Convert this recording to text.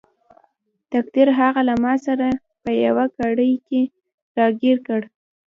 تقدیر هغه له ماسره په یوه کړۍ کې راګیر کړ.